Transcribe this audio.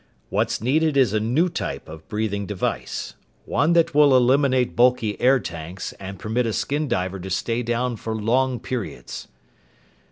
"What's needed is a new type of breathing device one that will eliminate bulky air tanks and permit a skin diver to stay down for long periods."